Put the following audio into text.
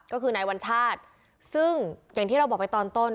ก็คือนายวัญชาติซึ่งอย่างที่เราบอกไปตอนต้น